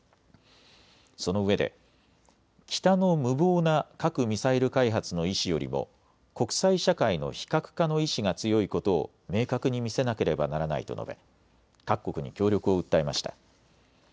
そのうえで北の無謀な核・ミサイル開発の意志よりも国際社会の非核化の意志が強いことを明確に見せなければならないと述べ各国に協力を訴えました。